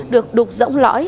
được đục rỗng lõi